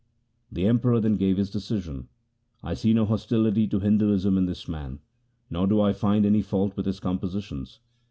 The Emperor then gave his decision :' I see no hostility to Hinduism in this man, nor do I find any fault with his compositions.